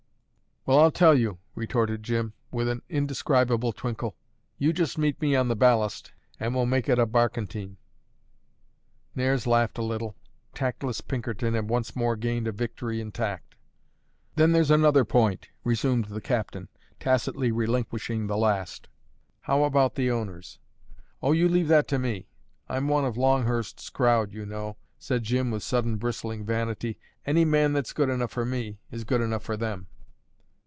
"Well, I'll tell you," retorted Jim, with an indescribable twinkle: "you just meet me on the ballast, and we'll make it a barquentine." Nares laughed a little; tactless Pinkerton had once more gained a victory in tact. "Then there's another point," resumed the captain, tacitly relinquishing the last. "How about the owners?" "O, you leave that to me; I'm one of Longhurst's crowd, you know," said Jim, with sudden bristling vanity. "Any man that's good enough for me, is good enough for them."